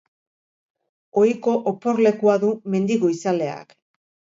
Ohiko oporlekua du mendigoizaleak.